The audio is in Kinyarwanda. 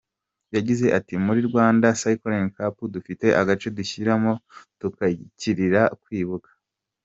Yagize ati “Muri Rwanda Cycling Cup dufite agace dushyiramo tukayitirira kwibuka.